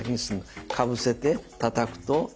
かぶせてたたくと下から。